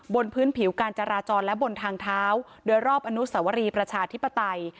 บนพื้นผิวการจราจรและบนทางเท้าโดยรอบอนุสวรีประชาธิปไตย